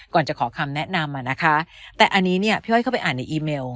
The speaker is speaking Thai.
ก่อนจะขอคำแนะนำอ่ะนะคะแต่อันนี้เนี่ยพี่อ้อยเข้าไปอ่านในอีเมล